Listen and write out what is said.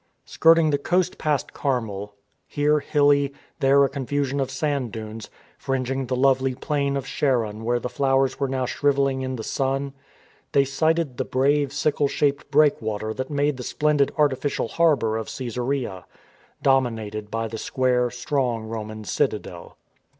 Skirting the coast past Carmel, here hilly, there a confusion of sand dunes, fringing the lovely plain of Sharon where the flowers were now shrivelling in the sun, they sighted the brave sickle shaped breakwater that made the splendid artificial harbour of Csesarea — dominated by the square, strong Roman citadel.